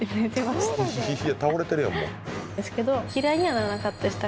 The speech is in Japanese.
ですけど。